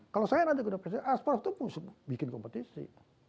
kalau saya nanti gunakan pcsi asprof itu pun bikin kompetisi